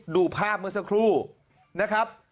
ดูภาพเมื่อสักครู่นะครับ